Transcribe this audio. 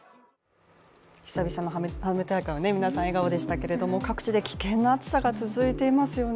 久々の花火大会、皆さん笑顔でしたけれども各地で危険な暑さが続いていますよね。